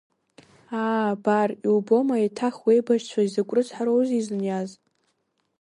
Аа, абар, иубома еиҭах уеибашьцәа изакә рыцҳароу изыниаз?